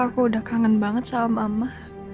aku udah kangen banget sama mama